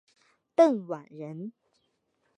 邓琬人。